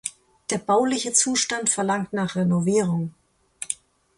Der bauliche Zustand verlangt nach Renovierung.